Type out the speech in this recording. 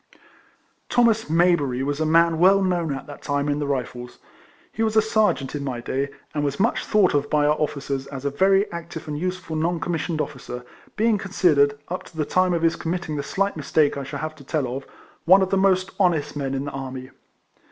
Thomas Mayberiy was a man well known at that time in the Rifles. He was a ser geant in my day, and was much thought of by our officers as a very active and useful non commissioned officer, being considered, up to the time of his committing the slight mistake I shall have to tell of, one of the most honest men in the army.